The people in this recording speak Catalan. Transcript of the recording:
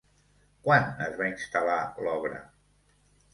Quan es va instal·lar l'obra?